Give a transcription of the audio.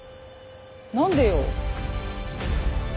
何でよ！